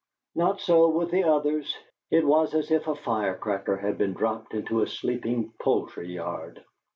Not so with the others. It was as if a firecracker had been dropped into a sleeping poultry yard.